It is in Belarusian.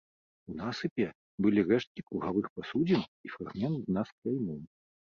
У насыпе былі рэшткі кругавых пасудзін і фрагмент дна з кляймом.